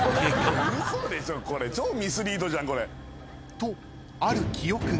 ［とある記憶が］